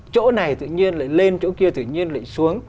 chỗ này tự nhiên lại lên chỗ kia tự nhiên lại xuống